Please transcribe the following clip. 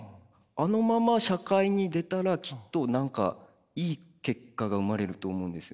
あのまま社会に出たらきっと何かいい結果が生まれると思うんですよね。